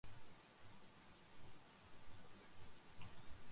Woansdei waard bekend dat it sikehûs wer iepen is.